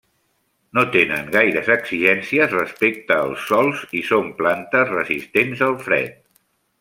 No tenen gaires exigències respecte als sòls i són plantes resistents al fred.